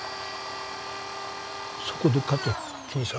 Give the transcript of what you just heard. そこで勝て桐沢。